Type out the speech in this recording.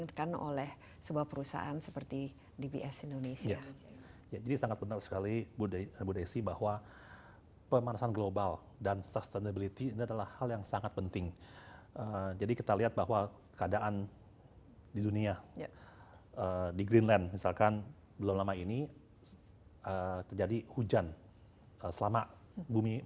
dan juga untuk mengembangkan kemampuan ekonomi